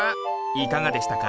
いかがでしたか？